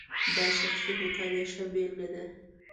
دا شخصي هوټل یې ښه بېلګه ده.